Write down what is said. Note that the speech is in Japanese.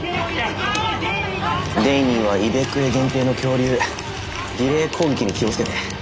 デイニーはイベクエ限定の恐竜ディレイ攻撃に気を付けて。